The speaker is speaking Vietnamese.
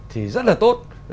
thì rất là tốt